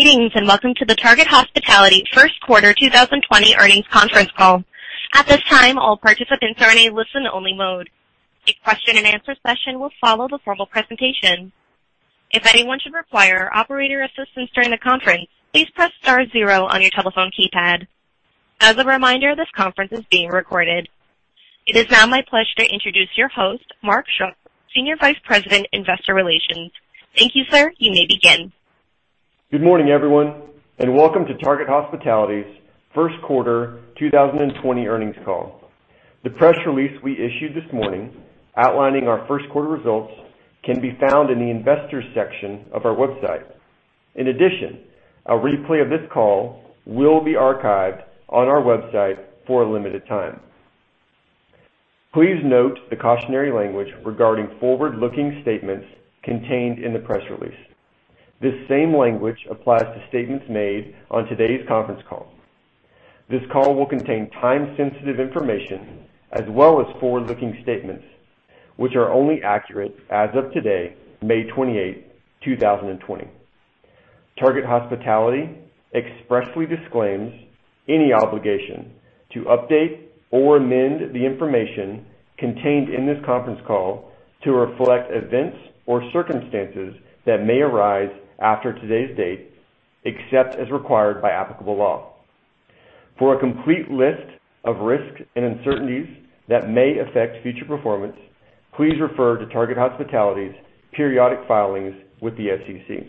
Greetings, and welcome to the Target Hospitality first quarter 2020 earnings conference call. At this time, all participants are in a listen-only mode. A question and answer session will follow the formal presentation. If anyone should require operator assistance during the conference, please press star zero on your telephone keypad. As a reminder, this conference is being recorded. It is now my pleasure to introduce your host, Mark Schuck, Senior Vice President, Investor Relations. Thank you, sir. You may begin. Good morning, everyone, and welcome to Target Hospitality's first quarter 2020 earnings call. The press release we issued this morning outlining our first quarter results can be found in the Investors section of our website. In addition, a replay of this call will be archived on our website for a limited time. Please note the cautionary language regarding forward-looking statements contained in the press release. This same language applies to statements made on today's conference call. This call will contain time-sensitive information as well as forward-looking statements, which are only accurate as of today, May 28th, 2020. Target Hospitality expressly disclaims any obligation to update or amend the information contained in this conference call to reflect events or circumstances that may arise after today's date, except as required by applicable law. For a complete list of risks and uncertainties that may affect future performance, please refer to Target Hospitality's periodic filings with the SEC.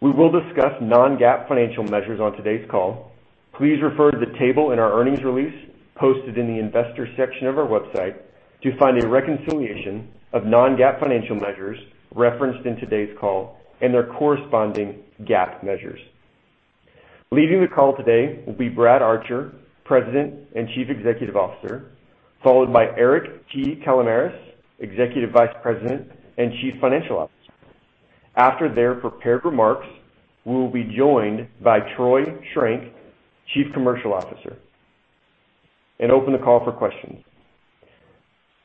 We will discuss non-GAAP financial measures on today's call. Please refer to the table in our earnings release posted in the Investors section of our website to find a reconciliation of non-GAAP financial measures referenced in today's call and their corresponding GAAP measures. Leading the call today will be Brad Archer, President and Chief Executive Officer, followed by Eric T. Kalamaras, Executive Vice President and Chief Financial Officer. After their prepared remarks, we will be joined by Troy Schrenk, Chief Commercial Officer, and open the call for questions.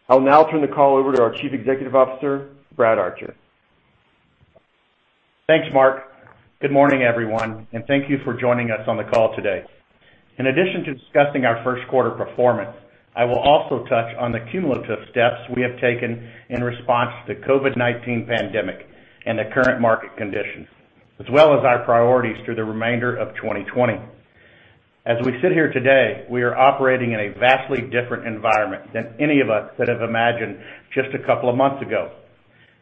I'll now turn the call over to our Chief Executive Officer, Brad Archer. Thanks, Mark. Good morning, everyone, and thank you for joining us on the call today. In addition to discussing our first quarter performance, I will also touch on the cumulative steps we have taken in response to COVID-19 pandemic and the current market conditions, as well as our priorities through the remainder of 2020. As we sit here today, we are operating in a vastly different environment than any of us could have imagined just a couple of months ago.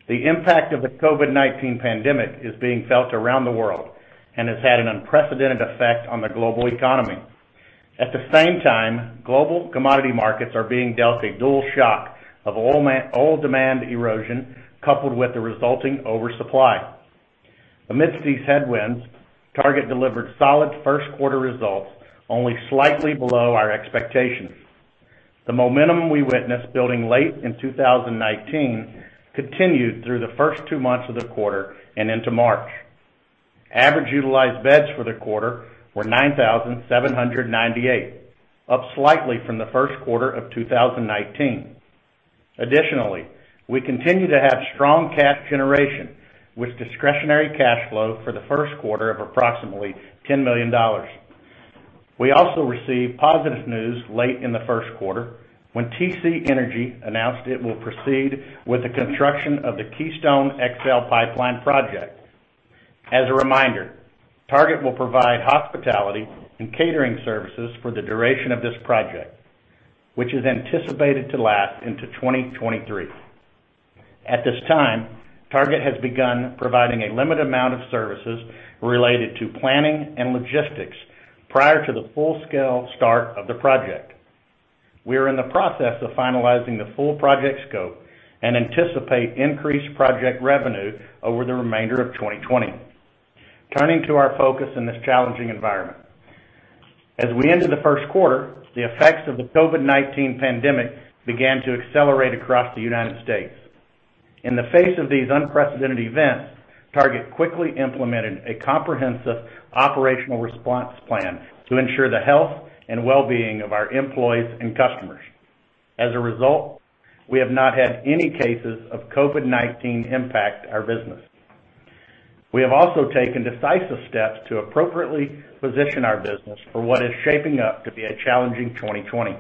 The impact of the COVID-19 pandemic is being felt around the world and has had an unprecedented effect on the global economy. At the same time, global commodity markets are being dealt a dual shock of oil demand erosion, coupled with the resulting oversupply. Amidst these headwinds, Target delivered solid first quarter results, only slightly below our expectations. The momentum we witnessed building late in 2019 continued through the first two months of the quarter and into March. Average utilized beds for the quarter were 9,798, up slightly from the first quarter of 2019. Additionally, we continue to have strong cash generation, with discretionary cash flow for the first quarter of approximately $10 million. We also received positive news late in the first quarter when TC Energy announced it will proceed with the construction of the Keystone XL Pipeline project. As a reminder, Target will provide hospitality and catering services for the duration of this project, which is anticipated to last into 2023. At this time, Target has begun providing a limited amount of services related to planning and logistics prior to the full-scale start of the project. We are in the process of finalizing the full project scope and anticipate increased project revenue over the remainder of 2020. Turning to our focus in this challenging environment. As we ended the first quarter, the effects of the COVID-19 pandemic began to accelerate across the United States. In the face of these unprecedented events, Target quickly implemented a comprehensive operational response plan to ensure the health and well-being of our employees and customers. As a result, we have not had any cases of COVID-19 impact our business. We have also taken decisive steps to appropriately position our business for what is shaping up to be a challenging 2020.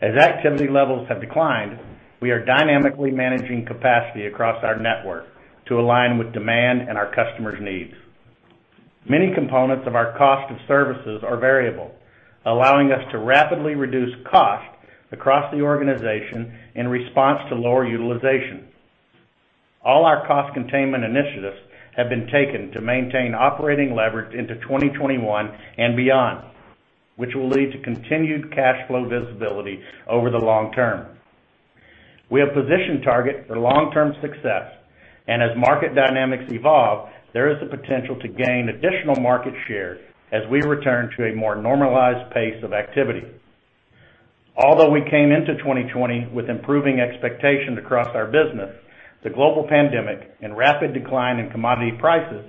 As activity levels have declined, we are dynamically managing capacity across our network to align with demand and our customers' needs. Many components of our cost of services are variable, allowing us to rapidly reduce costs across the organization in response to lower utilization. All our cost containment initiatives have been taken to maintain operating leverage into 2021 and beyond, which will lead to continued cash flow visibility over the long term. We have positioned Target for long-term success. As market dynamics evolve, there is the potential to gain additional market share as we return to a more normalized pace of activity. Although we came into 2020 with improving expectations across our business, the global pandemic and rapid decline in commodity prices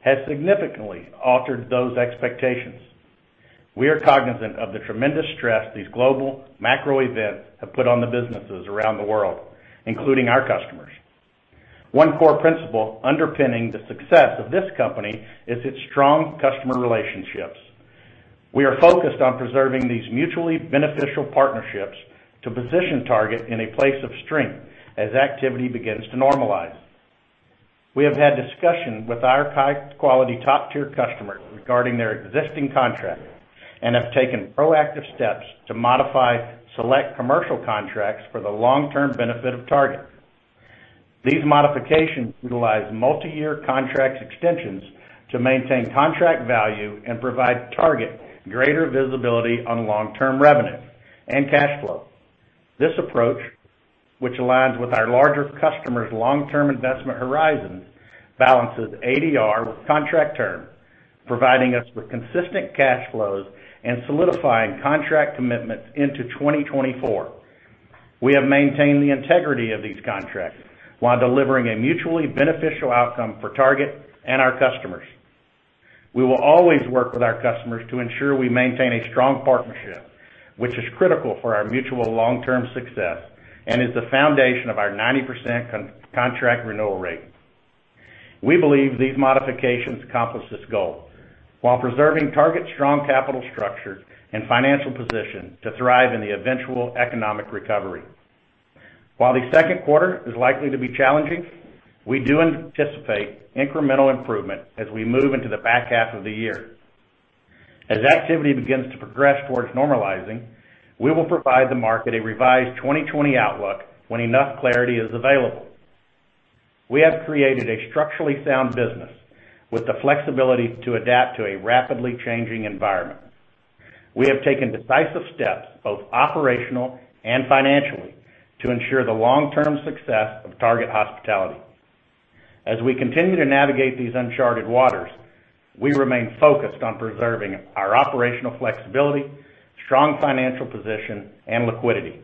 has significantly altered those expectations. We are cognizant of the tremendous stress these global macro events have put on the businesses around the world, including our customers. One core principle underpinning the success of this company is its strong customer relationships. We are focused on preserving these mutually beneficial partnerships to position Target in a place of strength as activity begins to normalize. We have had discussions with our high-quality, top-tier customers regarding their existing contracts and have taken proactive steps to modify select commercial contracts for the long-term benefit of Target. These modifications utilize multi-year contract extensions to maintain contract value and provide Target greater visibility on long-term revenue and cash flow. This approach, which aligns with our larger customers' long-term investment horizons, balances ADR with contract term, providing us with consistent cash flows and solidifying contract commitments into 2024. We have maintained the integrity of these contracts while delivering a mutually beneficial outcome for Target and our customers. We will always work with our customers to ensure we maintain a strong partnership, which is critical for our mutual long-term success and is the foundation of our 90% contract renewal rate. We believe these modifications accomplish this goal while preserving Target's strong capital structure and financial position to thrive in the eventual economic recovery. While the second quarter is likely to be challenging, we do anticipate incremental improvement as we move into the back half of the year. As activity begins to progress towards normalizing, we will provide the market a revised 2020 outlook when enough clarity is available. We have created a structurally sound business with the flexibility to adapt to a rapidly changing environment. We have taken decisive steps, both operational and financially, to ensure the long-term success of Target Hospitality. As we continue to navigate these uncharted waters, we remain focused on preserving our operational flexibility, strong financial position, and liquidity.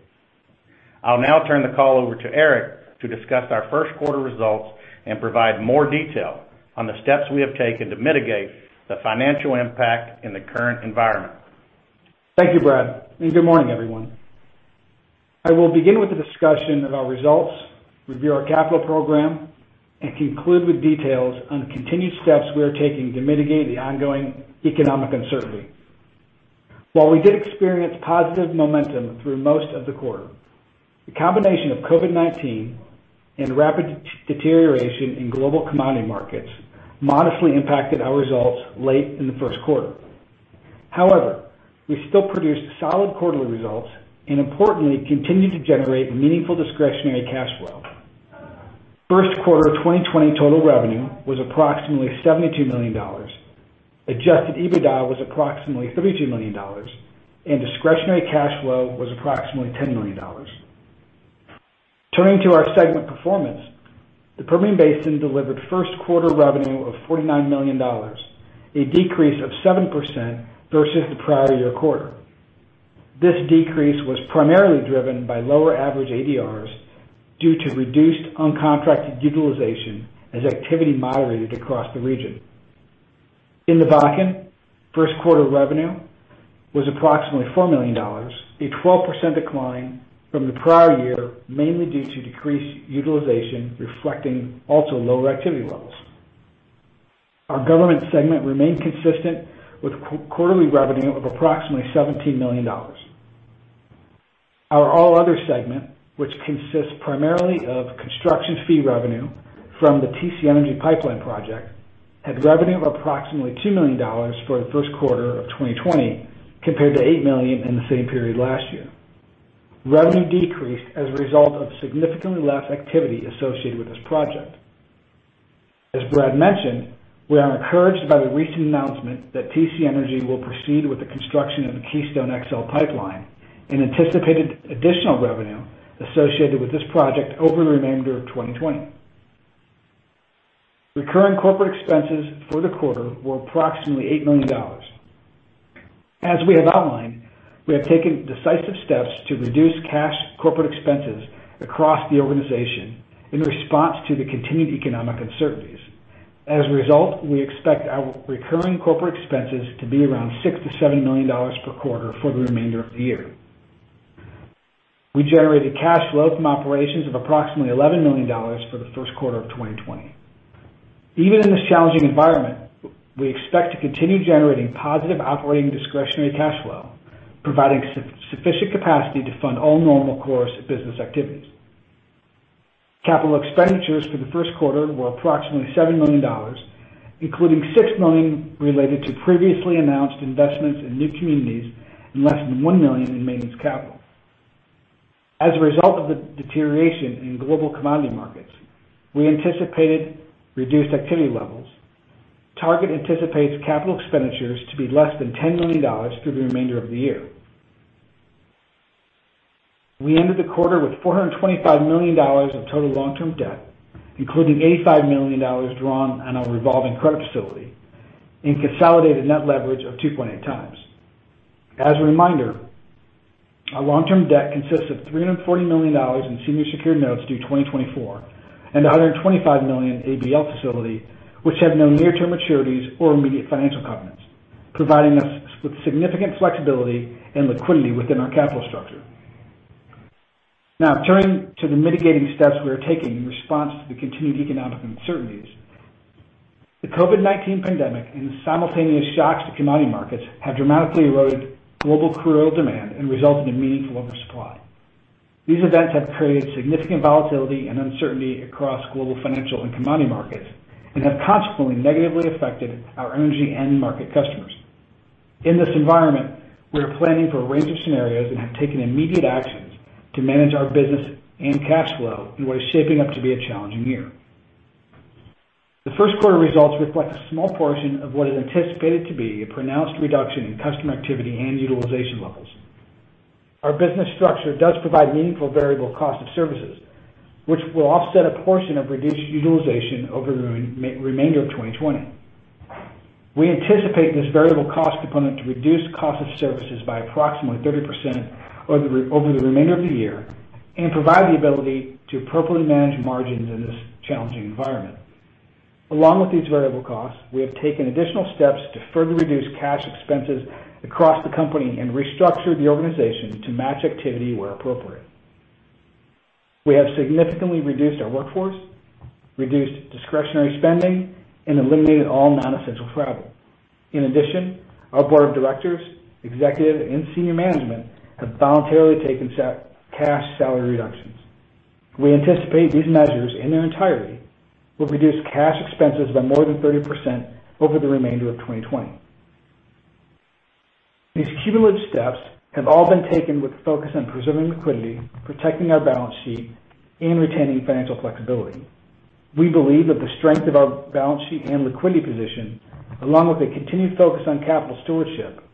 I'll now turn the call over to Eric to discuss our first quarter results and provide more detail on the steps we have taken to mitigate the financial impact in the current environment. Thank you, Brad. Good morning, everyone. I will begin with a discussion of our results, review our capital program, and conclude with details on the continued steps we are taking to mitigate the ongoing economic uncertainty. While we did experience positive momentum through most of the quarter, the combination of COVID-19 and rapid deterioration in global commodity markets modestly impacted our results late in the first quarter. However, we still produced solid quarterly results and importantly, continued to generate meaningful discretionary cash flow. First quarter 2020 total revenue was approximately $72 million. Adjusted EBITDA was approximately $32 million, and discretionary cash flow was approximately $10 million. Turning to our segment performance, the Permian Basin delivered first quarter revenue of $49 million, a decrease of 7% versus the prior year quarter. This decrease was primarily driven by lower average ADRs due to reduced uncontracted utilization as activity moderated across the region. In the Bakken, first quarter revenue was approximately $4 million, a 12% decline from the prior year, mainly due to decreased utilization, reflecting also lower activity levels. Our government segment remained consistent with quarterly revenue of approximately $17 million. Our all other segment, which consists primarily of construction fee revenue from the TC Energy Pipeline project, had revenue of approximately $2 million for the first quarter of 2020, compared to $8 million in the same period last year. Revenue decreased as a result of significantly less activity associated with this project. As Brad mentioned, we are encouraged by the recent announcement that TC Energy will proceed with the construction of the Keystone XL Pipeline and anticipated additional revenue associated with this project over the remainder of 2020. Recurring corporate expenses for the quarter were approximately $8 million. As we have outlined, we have taken decisive steps to reduce cash corporate expenses across the organization in response to the continued economic uncertainties. Result, we expect our recurring corporate expenses to be around $6 million-$7 million per quarter for the remainder of the year. We generated cash flow from operations of approximately $11 million for the first quarter of 2020. Even in this challenging environment, we expect to continue generating positive operating discretionary cash flow, providing sufficient capacity to fund all normal course of business activities. Capital expenditures for the first quarter were approximately $7 million, including $6 million related to previously announced investments in new communities and less than $1 million in maintenance capital. Result of the deterioration in global commodity markets, we anticipated reduced activity levels. Target anticipates capital expenditures to be less than $10 million through the remainder of the year. We ended the quarter with $425 million of total long-term debt, including $85 million drawn on our revolving credit facility and consolidated net leverage of 2.8x. As a reminder, our long-term debt consists of $340 million in senior secured notes due 2024 and $125 million ABL facility, which have no near-term maturities or immediate financial covenants, providing us with significant flexibility and liquidity within our capital structure. Turning to the mitigating steps we are taking in response to the continued economic uncertainties. The COVID-19 pandemic and the simultaneous shocks to commodity markets have dramatically eroded global crude oil demand and resulted in meaningful oversupply. These events have created significant volatility and uncertainty across global financial and commodity markets and have consequently negatively affected our energy end market customers. In this environment, we are planning for a range of scenarios and have taken immediate actions to manage our business and cash flow in what is shaping up to be a challenging year. The first quarter results reflect a small portion of what is anticipated to be a pronounced reduction in customer activity and utilization levels. Our business structure does provide meaningful variable cost of services, which will offset a portion of reduced utilization over the remainder of 2020. We anticipate this variable cost component to reduce cost of services by approximately 30% over the remainder of the year and provide the ability to appropriately manage margins in this challenging environment. Along with these variable costs, we have taken additional steps to further reduce cash expenses across the company and restructured the organization to match activity where appropriate. We have significantly reduced our workforce, reduced discretionary spending, and eliminated all non-essential travel. In addition, our board of directors, executive, and senior management have voluntarily taken cash salary reductions. We anticipate these measures in their entirety will reduce cash expenses by more than 30% over the remainder of 2020. These cumulative steps have all been taken with a focus on preserving liquidity, protecting our balance sheet, and retaining financial flexibility. We believe that the strength of our balance sheet and liquidity position, along with a continued focus on capital stewardship,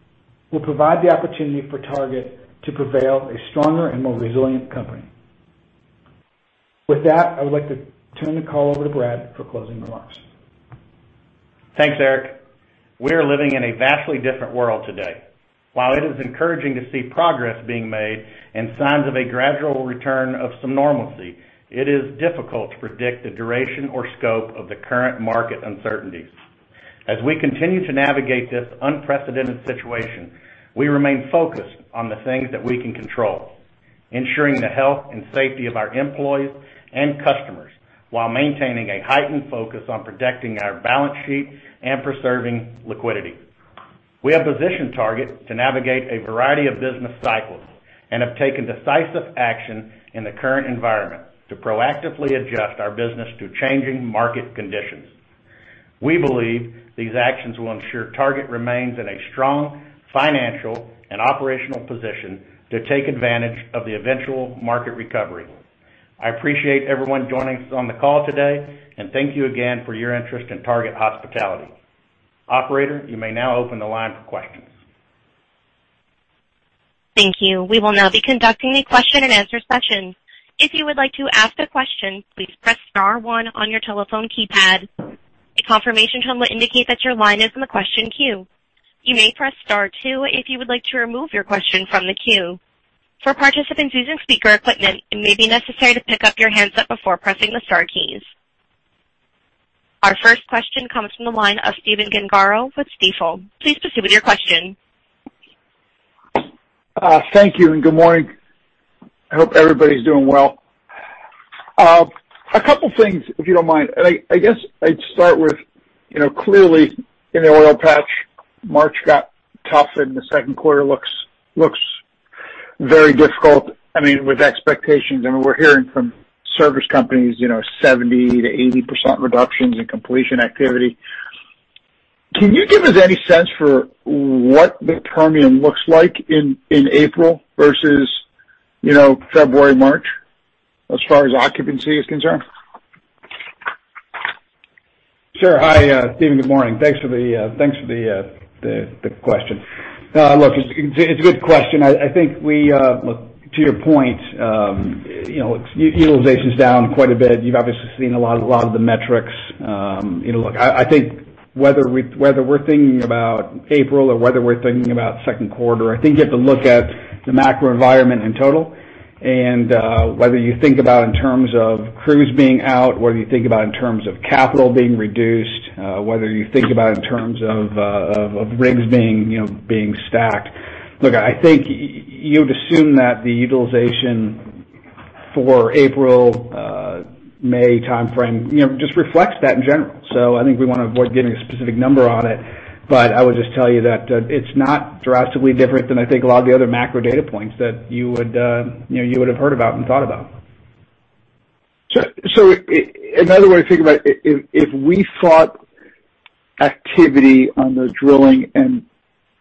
will provide the opportunity for Target to prevail a stronger and more resilient company. With that, I would like to turn the call over to Brad for closing remarks. Thanks, Eric. We are living in a vastly different world today. While it is encouraging to see progress being made and signs of a gradual return of some normalcy, it is difficult to predict the duration or scope of the current market uncertainties. As we continue to navigate this unprecedented situation, we remain focused on the things that we can control, ensuring the health and safety of our employees and customers while maintaining a heightened focus on protecting our balance sheet and preserving liquidity. We have positioned Target to navigate a variety of business cycles and have taken decisive action in the current environment to proactively adjust our business to changing market conditions. We believe these actions will ensure Target remains in a strong financial and operational position to take advantage of the eventual market recovery. I appreciate everyone joining us on the call today, and thank you again for your interest in Target Hospitality. Operator, you may now open the line for questions. Thank you. We will now be conducting a question-and-answer session. If you would like to ask a question, please press star one on your telephone keypad. A confirmation tone will indicate that your line is in the question queue. You may press star two if you would like to remove your question from the queue. For participants using speaker equipment, it may be necessary to pick up your handset before pressing the star keys. Our first question comes from the line of Steven Gengaro with Stifel. Please proceed with your question. Thank you, and good morning. I hope everybody's doing well. A couple things, if you don't mind. I guess I'd start with clearly in the oil patch, March got tough and the second quarter looks very difficult with expectations. We're hearing from service companies 70%-80% reductions in completion activity. Can you give us any sense for what the Permian looks like in April versus February, March, as far as occupancy is concerned? Sure. Hi, Steven. Good morning. Thanks for the question. Look, it's a good question. I think to your point, utilization's down quite a bit. You've obviously seen a lot of the metrics. Look, I think whether we're thinking about April or whether we're thinking about second quarter, I think you have to look at the macro environment in total. Whether you think about in terms of crews being out, whether you think about in terms of capital being reduced, whether you think about in terms of rigs being stacked. Look, I think you would assume that the utilization for April, May timeframe just reflects that in general. I think we want to avoid giving a specific number on it, but I would just tell you that it's not drastically different than I think a lot of the other macro data points that you would have heard about and thought about. Another way to think about it, if we thought activity on the drilling and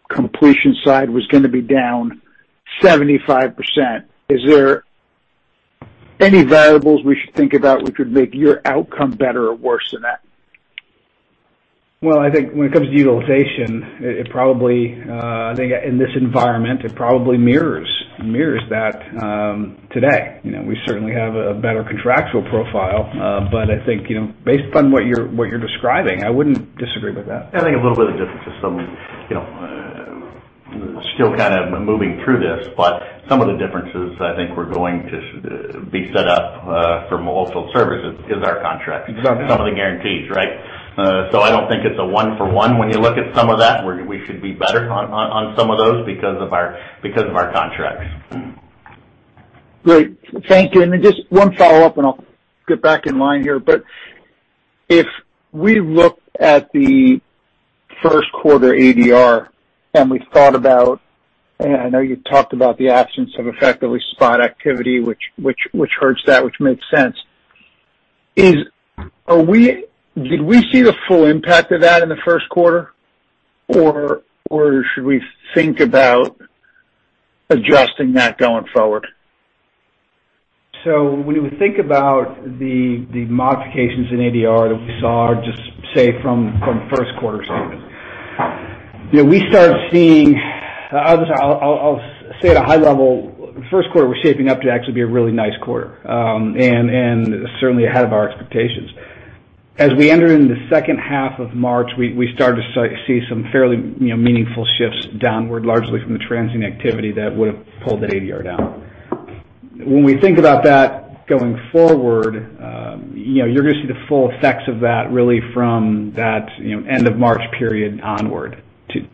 completion side was going to be down 75%, is there any variables we should think about which would make your outcome better or worse than that? Well, I think when it comes to utilization, I think in this environment, it probably mirrors that today. We certainly have a better contractual profile. I think based upon what you're describing, I wouldn't disagree with that. I think a little bit of difference is We're still kind of moving through this, but some of the differences I think we're going to be set up for multiple services is our contract. Exactly. Some of the guarantees, right? I don't think it's a one for one. When you look at some of that, we should be better on some of those because of our contracts. Great. Thank you. Just one follow-up and I'll get back in line here. If we look at the first quarter ADR, and we thought about, and I know you talked about the absence of effectively spot activity, which hurts that, which makes sense. Did we see the full impact of that in the first quarter, or should we think about adjusting that going forward? When we think about the modifications in ADR that we saw, just say from first quarter standpoint. We started seeing I'll say at a high level, first quarter was shaping up to actually be a really nice quarter, and certainly ahead of our expectations. As we entered into the second half of March, we started to see some fairly meaningful shifts downward, largely from the transient activity that would've pulled the ADR down. When we think about that going forward, you're going to see the full effects of that really from that end of March period onward to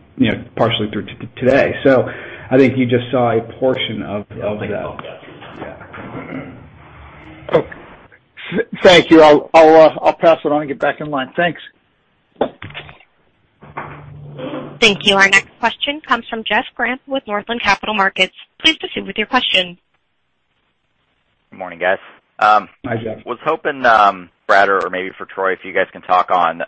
partially through today. I think you just saw a portion of that. Thank you. I'll pass it on and get back in line. Thanks. Thank you. Our next question comes from Jeff Grampp with Northland Capital Markets. Please proceed with your question. Good morning, guys. Hi, Jeff. Was hoping, Brad or maybe for Troy, if you guys can talk on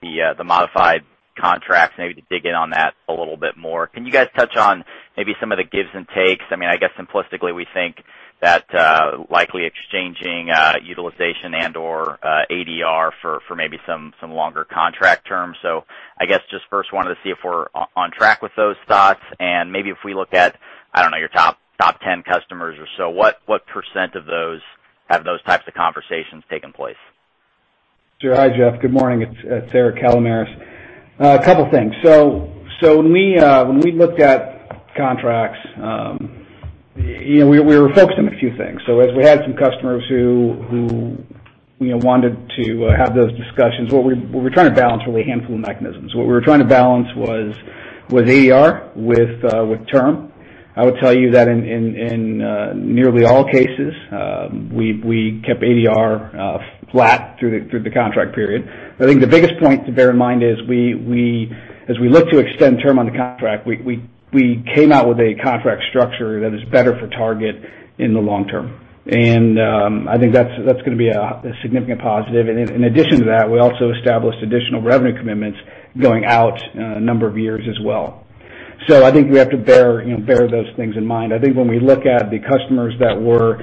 the modified contracts, maybe to dig in on that a little bit more. Can you guys touch on maybe some of the gives and takes? I guess simplistically, we think that likely exchanging utilization and/or ADR for maybe some longer contract terms. I guess just first wanted to see if we're on track with those thoughts and maybe if we look at, I don't know, your top 10 customers or so, what % of those have those types of conversations taken place? Sure. Hi, Jeff. Good morning. It's Eric Kalamaras. A couple of things. When we looked at contracts, we were focused on a few things. As we had some customers who wanted to have those discussions, what we were trying to balance were a handful of mechanisms. What we were trying to balance was ADR with term. I would tell you that in nearly all cases, we kept ADR flat through the contract period. I think the biggest point to bear in mind is as we look to extend term on the contract, we came out with a contract structure that is better for Target in the long term. I think that's going to be a significant positive. In addition to that, we also established additional revenue commitments going out a number of years as well. I think we have to bear those things in mind. I think when we look at the customers that we're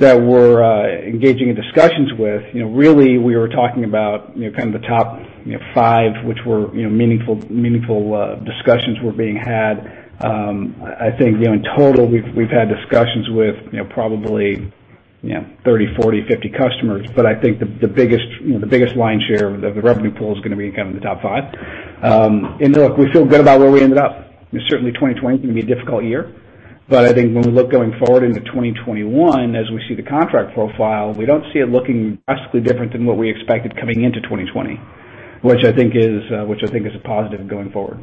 engaging in discussions with, really we were talking about kind of the top five, which were meaningful discussions were being had. I think in total, we've had discussions with probably 30, 40, 50 customers. I think the biggest lion's share of the revenue pool is going to be kind of the top five. Look, we feel good about where we ended up. Certainly 2020 can be a difficult year, I think when we look going forward into 2021, as we see the contract profile, we don't see it looking drastically different than what we expected coming into 2020, which I think is a positive going forward.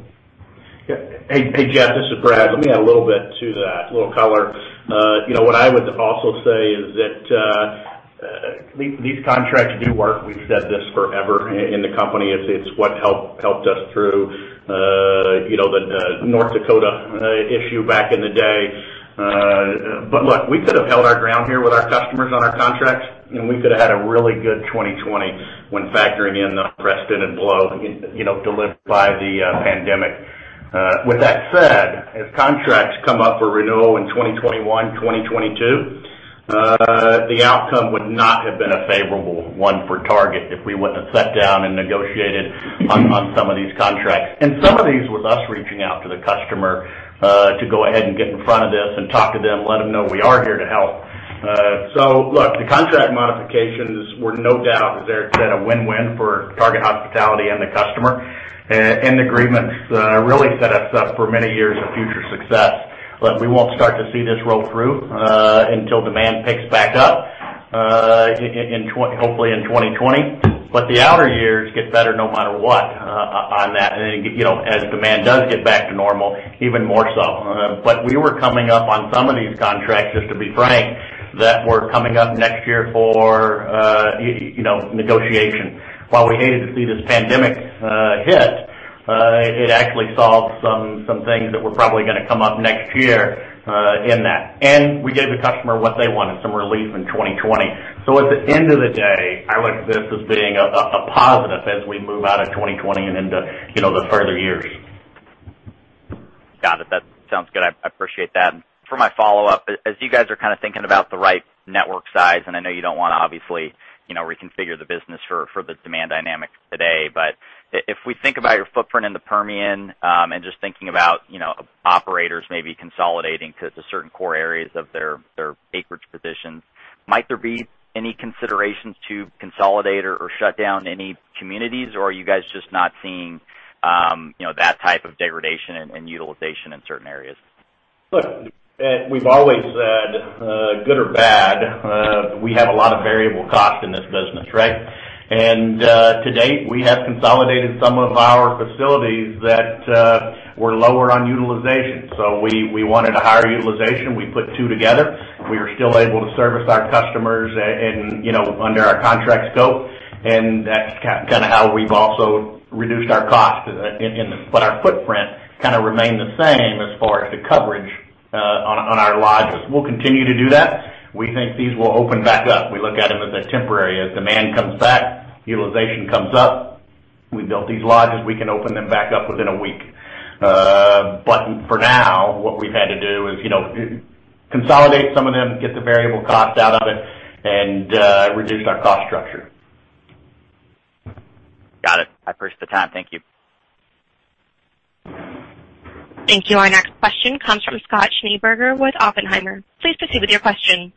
Hey, Jeff, this is Brad. Let me add a little bit to that, a little color. What I would also say is that these contracts do work. We've said this forever in the company. It's what helped us through the North Dakota issue back in the day. Look, we could have held our ground here with our customers on our contracts, and we could have had a really good 2020 when factoring in the restraint and blow delivered by the pandemic. With that said, as contracts come up for renewal in 2021, 2022, the outcome would not have been a favorable one for Target if we wouldn't have sat down and negotiated on some of these contracts. Some of these was us reaching out to the customer to go ahead and get in front of this and talk to them, let them know we are here to help. Look, the contract modifications were no doubt, as Eric said, a win-win for Target Hospitality and the customer. Agreements really set us up for many years of future success. Look, we won't start to see this roll through until demand picks back up, hopefully in 2020. The outer years get better no matter what on that. As demand does get back to normal, even more so. We were coming up on some of these contracts, just to be frank, that were coming up next year for negotiation. While we hated to see this pandemic hit, it actually solved some things that were probably going to come up next year in that. We gave the customer what they wanted, some relief in 2020. At the end of the day, I look at this as being a positive as we move out of 2020 and into the further years. Got it. That sounds good. I appreciate that. For my follow-up, as you guys are kind of thinking about the right network size, and I know you don't want to obviously reconfigure the business for the demand dynamics today. If we think about your footprint in the Permian, and just thinking about. operators may be consolidating to certain core areas of their acreage positions. Might there be any considerations to consolidate or shut down any communities, or are you guys just not seeing that type of degradation in utilization in certain areas? We've always said, good or bad, we have a lot of variable cost in this business, right? To date, we have consolidated some of our facilities that were lower on utilization. We wanted a higher utilization. We put two together. We are still able to service our customers under our contract scope, and that's kind of how we've also reduced our cost. Our footprint kind of remained the same as far as the coverage on our lodges. We'll continue to do that. We think these will open back up. We look at them as a temporary. As demand comes back, utilization comes up. We built these lodges. We can open them back up within a week. For now, what we've had to do is consolidate some of them, get the variable cost out of it, and reduce our cost structure. Got it. I appreciate the time. Thank you. Thank you. Our next question comes from Scott Schneeberger with Oppenheimer. Please proceed with your question.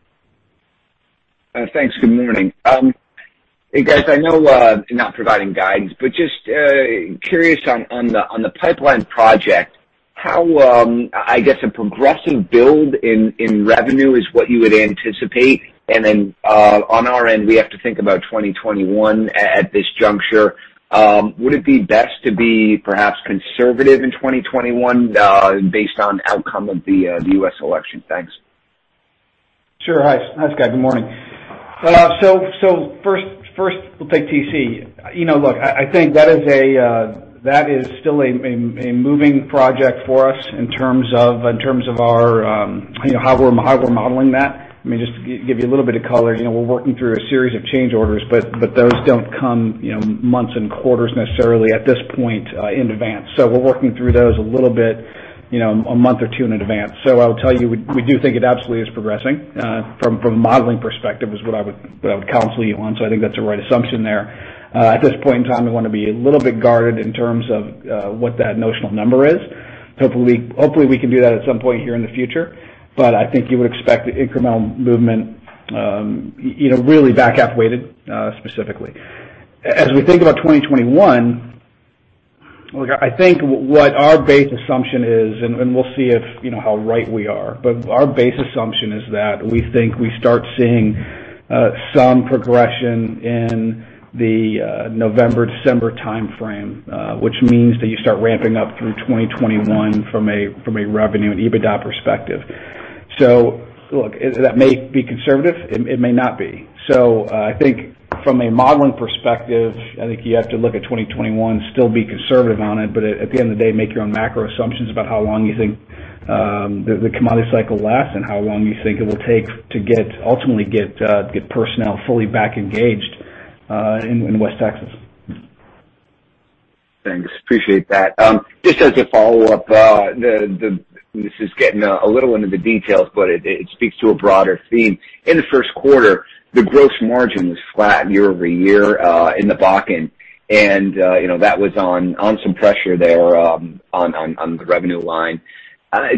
Thanks. Good morning. Hey, guys, I know you're not providing guidance, but just curious on the pipeline project, how, I guess a progressive build in revenue is what you would anticipate. On our end, we have to think about 2021 at this juncture. Would it be best to be perhaps conservative in 2021 based on outcome of the U.S. election? Thanks. Sure. Hi, Scott. Good morning. First we'll take TC. Look, I think that is still a moving project for us in terms of how we're modeling that. Let me just give you a little bit of color. We're working through a series of change orders, but those don't come months and quarters necessarily at this point in advance. We're working through those a little bit, a month or two in advance. I'll tell you, we do think it absolutely is progressing from a modeling perspective is what I would counsel you on. I think that's the right assumption there. At this point in time, we want to be a little bit guarded in terms of what that notional number is. Hopefully, we can do that at some point here in the future. I think you would expect incremental movement really back half weighted, specifically. As we think about 2021, look, I think what our base assumption is. We'll see how right we are. Our base assumption is that we think we start seeing some progression in the November, December timeframe, which means that you start ramping up through 2021 from a revenue and EBITDA perspective. Look, that may be conservative. It may not be. I think from a modeling perspective, I think you have to look at 2021, still be conservative on it. At the end of the day, make your own macro assumptions about how long you think the commodity cycle lasts and how long you think it will take to ultimately get personnel fully back engaged in West Texas. Thanks. Appreciate that. Just as a follow-up, this is getting a little into the details, but it speaks to a broader theme. In the first quarter, the gross margin was flat year-over-year in the Bakken, and that was on some pressure there on the revenue line.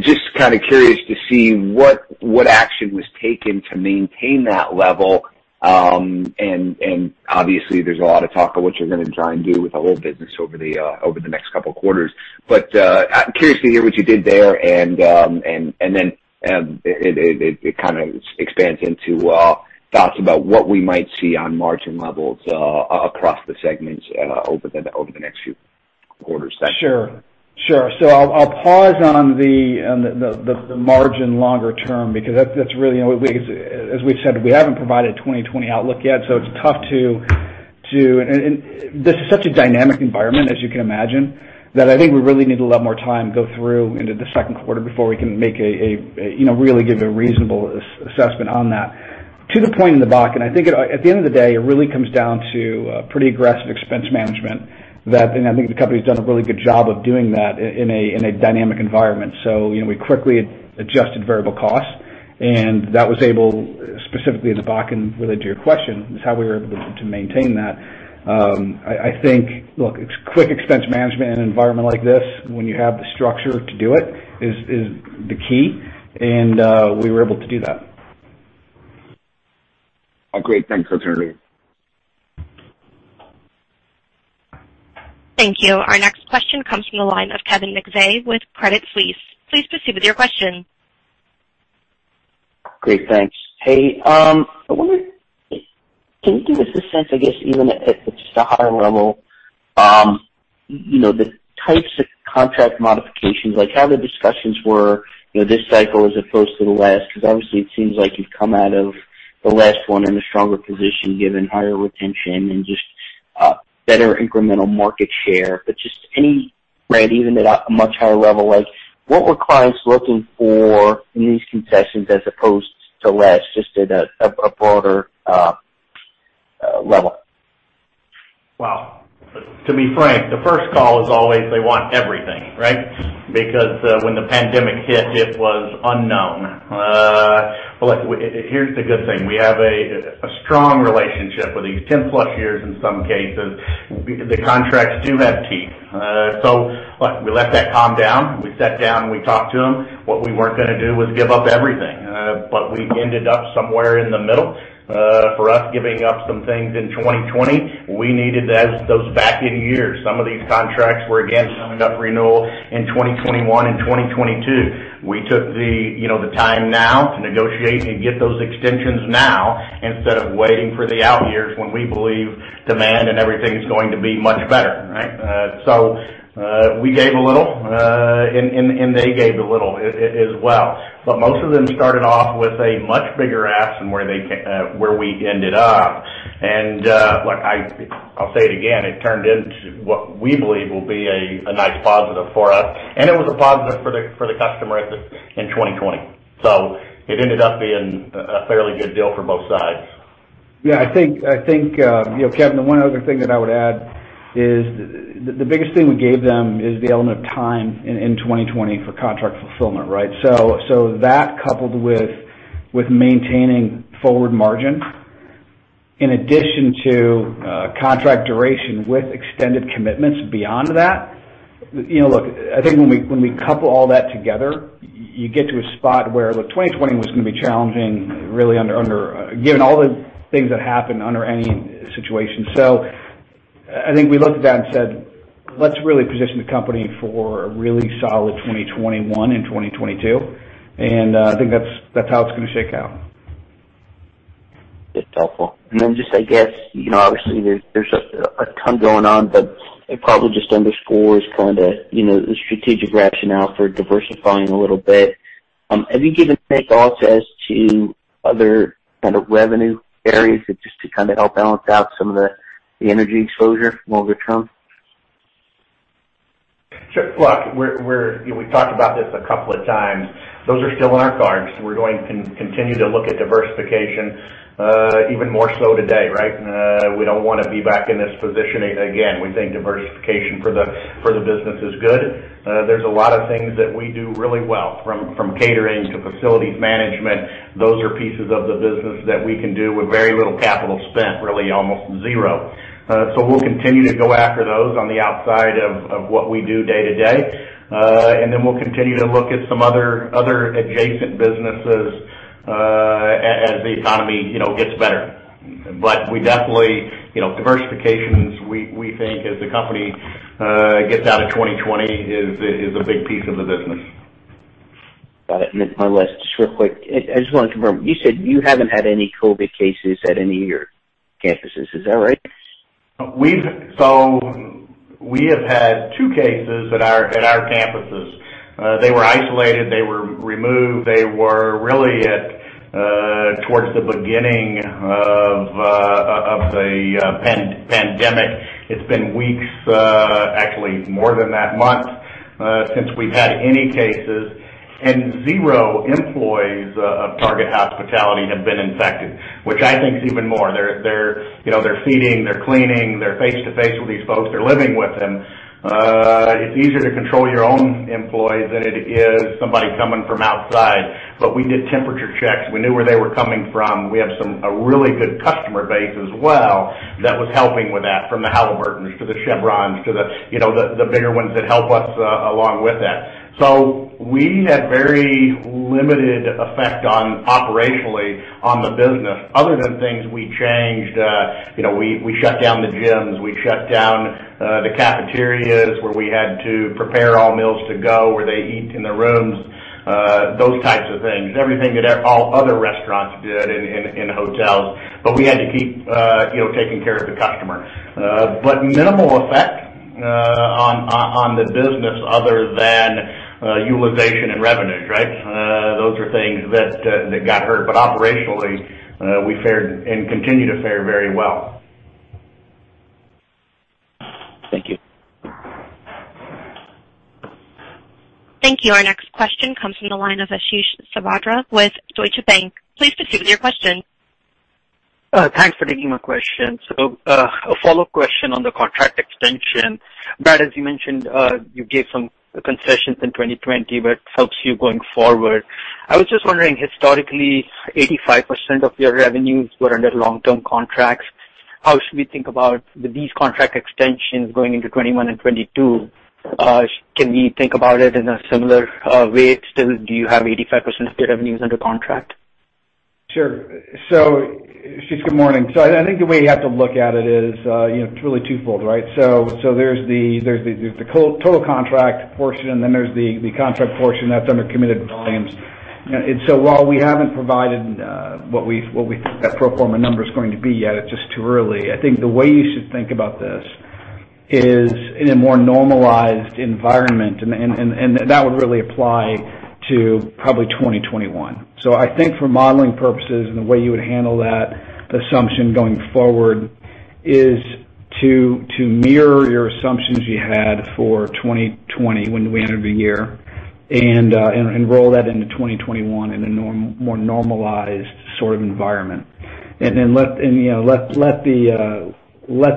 Just kind of curious to see what action was taken to maintain that level, and obviously there's a lot of talk of what you're going to try and do with the whole business over the next couple of quarters. I'm curious to hear what you did there, and then it kind of expands into thoughts about what we might see on margin levels across the segments over the next few quarters then. Sure. I'll pause on the margin longer term, because as we've said, we haven't provided 2020 outlook yet. It's such a dynamic environment, as you can imagine, that I think we really need a lot more time go through into the second quarter before we can really give a reasonable assessment on that. To the point in the Bakken, I think at the end of the day, it really comes down to pretty aggressive expense management. I think the company's done a really good job of doing that in a dynamic environment. We quickly adjusted variable costs, and that was able, specifically in the Bakken, related to your question, is how we were able to maintain that. I think, look, quick expense management in an environment like this, when you have the structure to do it, is the key, and we were able to do that. Great. Thanks. I appreciate it. Thank you. Our next question comes from the line of Kevin McVeigh with Credit Suisse. Please proceed with your question. Great, thanks. Hey, I wonder, can you give us a sense, I guess even at just a higher level, the types of contract modifications, like how the discussions were this cycle as opposed to the last? Because obviously it seems like you've come out of the last one in a stronger position given higher retention and just better incremental market share. Just any, even at a much higher level, what were clients looking for in these concessions as opposed to last, just at a broader level? Well, to be frank, the first call is always they want everything, right? When the pandemic hit, it was unknown. Look, here's the good thing. We have a strong relationship with these 10-plus years, in some cases. The contracts do have teeth. Look, we let that calm down. We sat down, and we talked to them. What we weren't going to do was give up everything. We ended up somewhere in the middle, for us giving up some things in 2020. We needed those back-in years. Some of these contracts were, again, coming up renewal in 2021 and 2022. We took the time now to negotiate and get those extensions now instead of waiting for the out years when we believe demand and everything's going to be much better, right? We gave a little, and they gave a little as well. Most of them started off with a much bigger ask than where we ended up. Look, I'll say it again, it turned into what we believe will be a nice positive for us, and it was a positive for the customer in 2020. It ended up being a fairly good deal for both sides. Yeah, I think, Kevin, the one other thing that I would add is the biggest thing we gave them is the element of time in 2020 for contract fulfillment, right? That coupled with maintaining forward margin in addition to contract duration with extended commitments beyond that. Look, I think when we couple all that together, you get to a spot where, look, 2020 was going to be challenging, really, given all the things that happened under any situation. I think we looked at that and said, "Let's really position the company for a really solid 2021 and 2022." I think that's how it's going to shake out. It's helpful. I guess, obviously there's a ton going on, but it probably just underscores the strategic rationale for diversifying a little bit. Have you given thought as to other kind of revenue areas just to help balance out some of the energy exposure longer term? Sure. Look, we've talked about this a couple of times. Those are still in our cards. We're going to continue to look at diversification, even more so today, right? We don't want to be back in this position again. We think diversification for the business is good. There's a lot of things that we do really well, from catering to facilities management. Those are pieces of the business that we can do with very little capital spent, really almost zero. We'll continue to go after those on the outside of what we do day to day. We'll continue to look at some other adjacent businesses as the economy gets better. We definitely, diversification, we think as the company gets out of 2020, is a big piece of the business. Got it. One last, just real quick. I just want to confirm, you said you haven't had any COVID-19 cases at any of your campuses. Is that right? We have had two cases at our campuses. They were isolated. They were removed. They were really towards the beginning of the pandemic. It's been weeks, actually more than that, months, since we've had any cases. Zero employees of Target Hospitality have been infected, which I think is even more. They're feeding, they're cleaning, they're face-to-face with these folks. They're living with them. It's easier to control your own employees than it is somebody coming from outside. We did temperature checks. We knew where they were coming from. We have a really good customer base as well that was helping with that, from the Halliburton to the Chevron to the bigger ones that help us along with that. We had very limited effect operationally on the business, other than things we changed. We shut down the gyms. We shut down the cafeterias where we had to prepare all meals to go where they eat in their rooms, those types of things. Everything that all other restaurants did in hotels. We had to keep taking care of the customer. Minimal effect on the business other than utilization and revenues, right? Those are things that got hurt, but operationally, we fared and continue to fare very well. Thank you. Thank you. Our next question comes from the line of Ashish Sabadra with Deutsche Bank. Please proceed with your question. Thanks for taking my question. A follow-up question on the contract extension. Brad, as you mentioned, you gave some concessions in 2020 that helps you going forward. I was just wondering, historically, 85% of your revenues were under long-term contracts. How should we think about these contract extensions going into 2021 and 2022? Can we think about it in a similar way? Still, do you have 85% of your revenues under contract? Sure. Ashish, good morning. I think the way you have to look at it is it's really twofold, right? There's the total contract portion, and then there's the contract portion that's under committed volumes. While we haven't provided what that pro forma number is going to be yet, it's just too early. I think the way you should think about this is in a more normalized environment, and that would really apply to probably 2021. I think for modeling purposes and the way you would handle that assumption going forward is to mirror your assumptions you had for 2020 when we entered the year and roll that into 2021 in a more normalized sort of environment. Let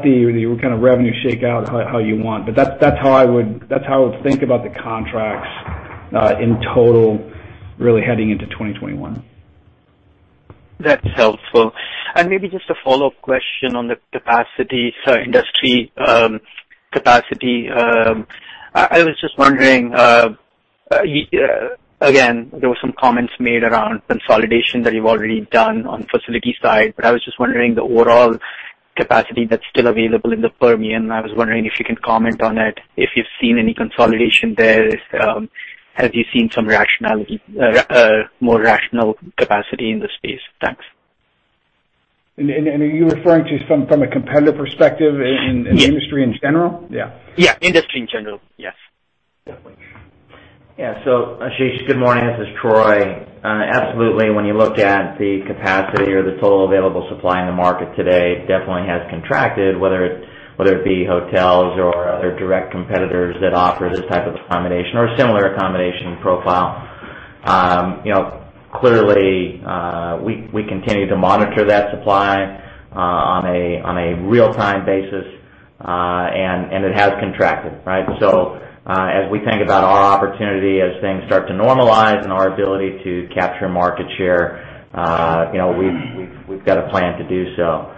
the revenue shake out how you want. That's how I would think about the contracts in total, really heading into 2021. That's helpful. Maybe just a follow-up question on the industry capacity. I was just wondering, again, there were some comments made around consolidation that you've already done on facility side, but I was just wondering the overall capacity that's still available in the Permian. I was wondering if you can comment on it, if you've seen any consolidation there. Have you seen some more rational capacity in the space? Thanks. Are you referring to from a competitive perspective in the industry in general? Yeah. Yeah. Industry in general. Yes. Definitely. Yeah. Ashish, good morning. This is Troy. Absolutely. When you look at the capacity or the total available supply in the market today, it definitely has contracted, whether it be hotels or other direct competitors that offer this type of accommodation or a similar accommodation profile. Clearly, we continue to monitor that supply on a real-time basis, and it has contracted, right? As we think about our opportunity, as things start to normalize and our ability to capture market share, we've got a plan to do so.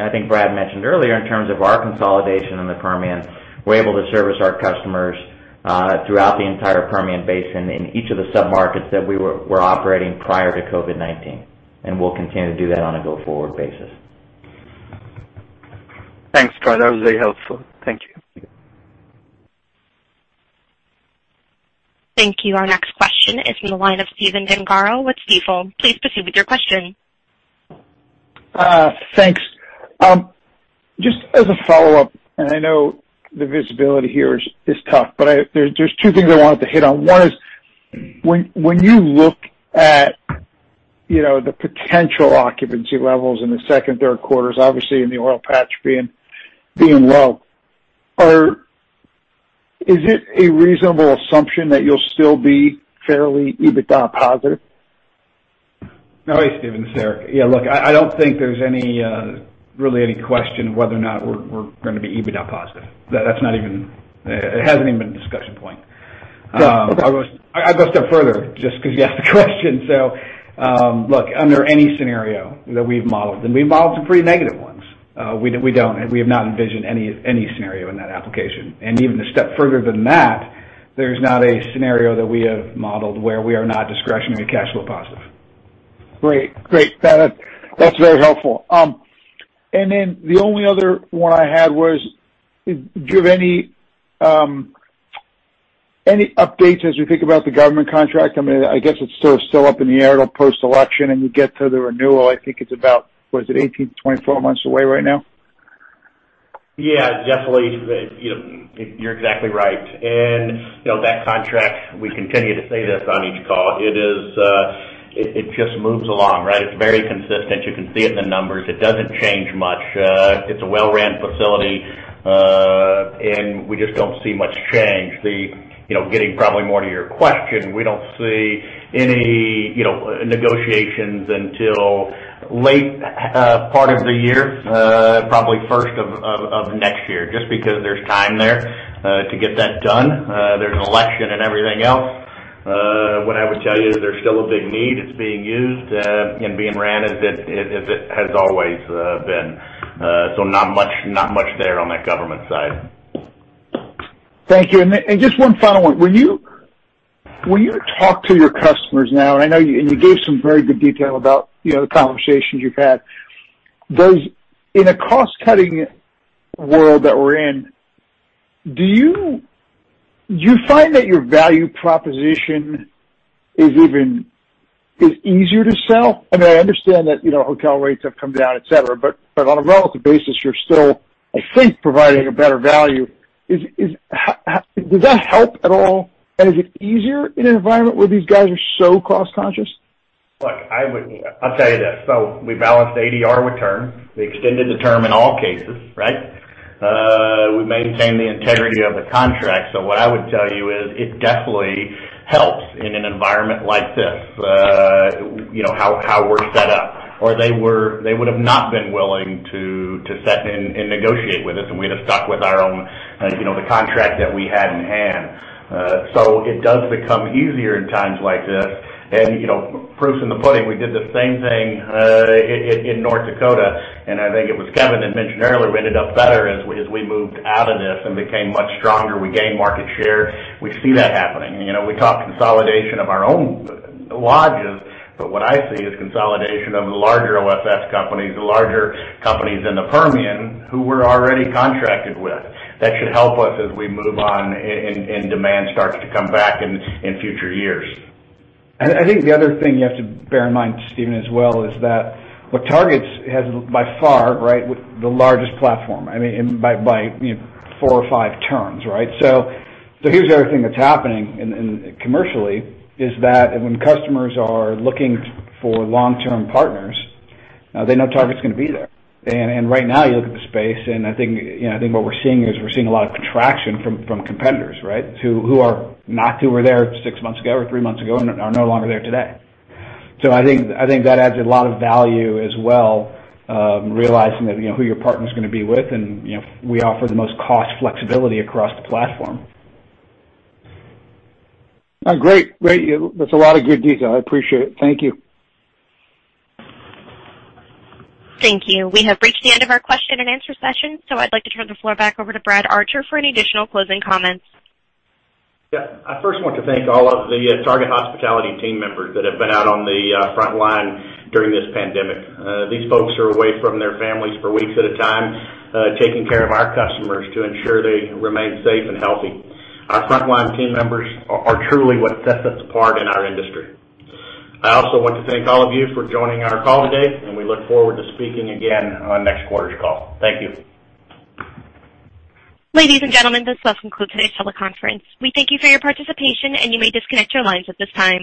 I think Brad mentioned earlier, in terms of our consolidation in the Permian, we're able to service our customers throughout the entire Permian Basin in each of the sub-markets that we were operating prior to COVID-19, and we'll continue to do that on a go-forward basis. Thanks, Troy. That was very helpful. Thank you. Thank you. Our next question is from the line of Steven Gengaro with Stifel. Please proceed with your question. Thanks. Just as a follow-up, I know the visibility here is tough, there's two things I wanted to hit on. One is, when you look at the potential occupancy levels in the second, third quarters, obviously in the oil patch being low, is it a reasonable assumption that you'll still be fairly EBITDA positive? Oh, hey, Steven, it's Eric. Yeah, look, I don't think there's really any question whether or not we're going to be EBITDA positive. It hasn't even been a discussion point. Yeah. Okay. I'll go a step further just because you asked the question. Look, under any scenario that we've modeled, and we've modeled some pretty negative ones, we have not envisioned any scenario in that application. Even a step further than that, there's not a scenario that we have modeled where we are not discretionary cash flow positive. Great. That's very helpful. The only other one I had was, do you have any updates as we think about the government contract? I guess it's sort of still up in the air. It'll post-election and you get to the renewal, I think it's about, what is it, 18-24 months away right now? Yeah, definitely. You're exactly right. That contract, we continue to say this on each call, it just moves along, right? It's very consistent. You can see it in the numbers. It doesn't change much. It's a well-ran facility. We just don't see much change. Getting probably more to your question, we don't see any negotiations until late part of the year, probably first of next year, just because there's time there to get that done. There's an election and everything else. What I would tell you is there's still a big need. It's being used and being ran as it has always been. Not much there on that government side. Thank you. Just one final one. When you talk to your customers now, and you gave some very good detail about the conversations you've had. In a cost-cutting world that we're in, do you find that your value proposition is easier to sell? I mean, I understand that hotel rates have come down, et cetera, but on a relative basis, you're still, I think, providing a better value. Does that help at all? Is it easier in an environment where these guys are so cost-conscious? Look, I'll tell you this. We balanced ADR with term. We extended the term in all cases, right? We maintained the integrity of the contract. What I would tell you is it definitely helps in an environment like this, how we're set up, or they would have not been willing to set and negotiate with us, and we'd have stuck with the contract that we had in hand. It does become easier in times like this, and proof's in the pudding. We did the same thing in North Dakota, and I think it was Kevin that mentioned earlier, we ended up better as we moved out of this and became much stronger. We gained market share. We see that happening. We talk consolidation of our own lodges, but what I see is consolidation of the larger OFS companies, the larger companies in the Permian who we're already contracted with. That should help us as we move on and demand starts to come back in future years. I think the other thing you have to bear in mind, Steven, as well is that, well, Target's has by far, right, the largest platform, and by four or five terms, right? Here's the other thing that's happening commercially is that when customers are looking for long-term partners, they know Target's going to be there. Right now you look at the space, and I think what we're seeing a lot of contraction from competitors, right, who were there six months ago or three months ago and are no longer there today. I think that adds a lot of value as well, realizing that who your partner's going to be with, and we offer the most cost flexibility across the platform. Great. That's a lot of good detail. I appreciate it. Thank you. Thank you. We have reached the end of our question and answer session. I'd like to turn the floor back over to Brad Archer for any additional closing comments. I first want to thank all of the Target Hospitality team members that have been out on the front line during this pandemic. These folks are away from their families for weeks at a time, taking care of our customers to ensure they remain safe and healthy. Our frontline team members are truly what sets us apart in our industry. I also want to thank all of you for joining our call today. We look forward to speaking again on next quarter's call. Thank you. Ladies and gentlemen, this does conclude today's teleconference. We thank you for your participation, and you may disconnect your lines at this time.